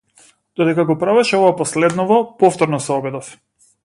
Додека го правеше ова последново, повторно се обидов.